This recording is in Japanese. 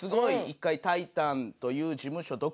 １回タイタンという事務所独立した。